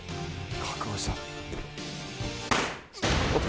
覚悟した。